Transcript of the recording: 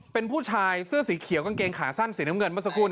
เป็นผู้ชายเสื้อสีเขียวกางเกงขาสั้นสีน้ำเงินเมื่อสักครู่